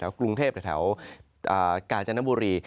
กรุงเทพแถวกาญจนบุรี